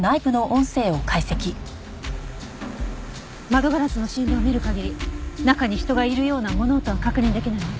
窓ガラスの振動を見る限り中に人がいるような物音は確認できないわ。